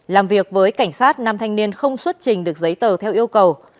làm việc với cảnh sát nam thanh niên không xuất trình được giấy tờ theo yêu cầu